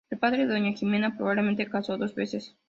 El padre de doña Jimena probablemente casó dos veces.